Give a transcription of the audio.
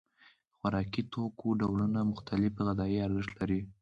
د خوراکي توکو ډولونه مختلف غذایي ارزښت لري.